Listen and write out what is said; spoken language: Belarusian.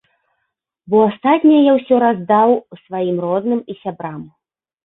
Бо астатняе я ўсё раздаў сваім родным і сябрам.